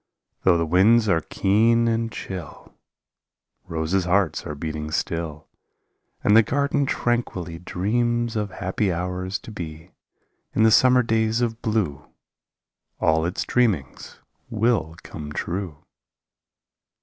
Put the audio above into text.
Though the winds are keen and chill Roses' hearts are beating still, And the garden tranquilly Dreams of happy hours to be — In the summer days of blue All its dreamings will come true.